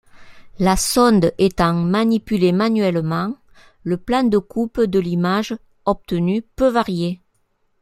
La sonde étant manipulée manuellement, le plan de coupe de l’image obtenue peut varier.